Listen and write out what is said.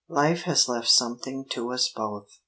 Life has left something to us both.